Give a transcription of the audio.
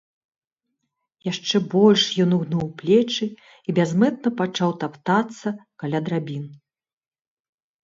Яшчэ больш ён угнуў плечы і бязмэтна пачаў таптацца каля драбін.